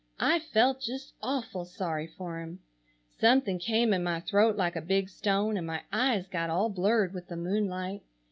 I felt just awful sorry for him. Something came in my throat like a big stone and my eyes got all blurred with the moonlight.